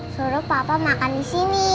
suruh papa makan di sini